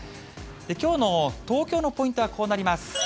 きょうの東京のポイントはこうなります。